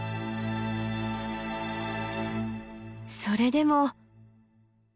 それでも。